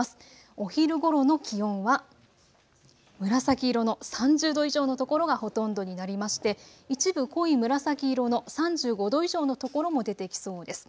お昼ごろの気温は紫色の３０度以上の所がほとんどになりまして、一部濃い紫色の３５度以上の所も出てきそうです。